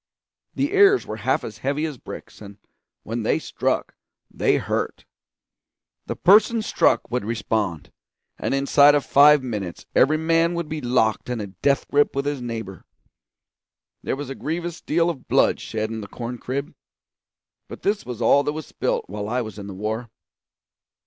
The ears were half as heavy as bricks, and when they struck they hurt. The persons struck would respond, and inside of five minutes every man would be locked in a death grip with his neighbour. There was a grievous deal of blood shed in the corn crib, but this was all that was spilt while I was in the war.